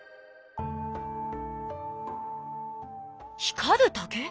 光る竹？